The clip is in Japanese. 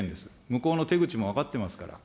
向こうの手口も分かってますから。